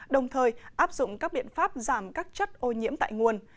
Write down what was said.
đồng thời áp dụng các biện pháp giảm các chất ô nhiễm tại nguồn